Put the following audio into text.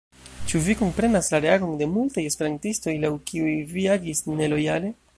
Ĉu vi komprenas la reagon de multaj esperantistoj, laŭ kiuj vi agis nelojale?